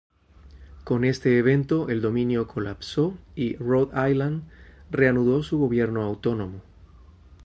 Con este evento, el dominio colapsó y Rhode Island reanudó su gobierno autónomo.